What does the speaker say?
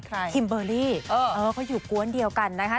คิมเบอร์รี่เออเขาอยู่กวนเดียวกันนะคะ